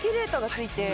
ついて。